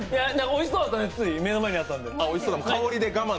おいしそうだったんで、つい、目の前にあったんで。